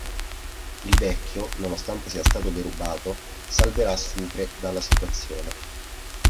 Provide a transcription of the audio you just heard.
Il vecchio, nonostante sia stato derubato, salverà Sucre dalla situazione.